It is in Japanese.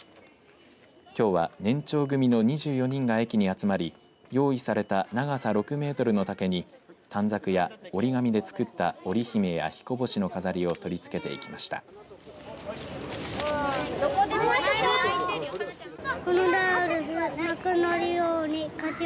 きょうは年長組の２４人が駅に集まり用意された長さ６メートルの竹に短冊や折り紙で作った織り姫やひこ星の飾りを取り付けていきました。